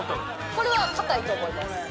これは堅いと思います